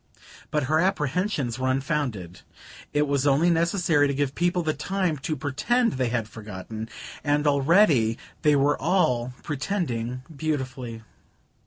But her apprehensions were unfounded. It was only necessary to give people the time to pretend they had forgotten; and already they were all pretending beautifully.